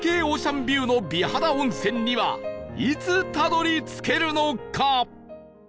オーシャンビューの美肌温泉にはいつたどり着けるのか？